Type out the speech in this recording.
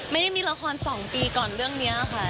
ไม่ได้มีละคร๒ปีก่อนเรื่องนี้ค่ะ